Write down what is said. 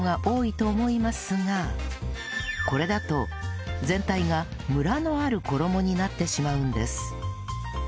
これだと全体がムラのある衣になってしまうんです